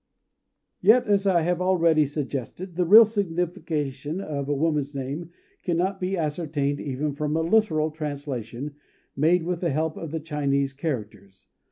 Yet, as I have already suggested, the real signification of a woman's name cannot be ascertained even from a literal translation made with the help of the Chinese characters.